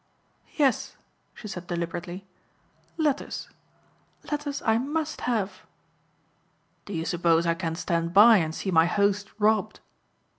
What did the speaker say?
"Yes," she said deliberately, "letters. Letters I must have." "Do you suppose I can stand by and see my host robbed?"